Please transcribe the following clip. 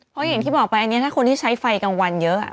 เพราะอย่างที่บอกไปอันนี้ถ้าคนที่ใช้ไฟกลางวันเยอะ